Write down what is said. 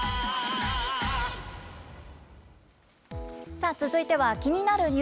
さあ、続いては気になる！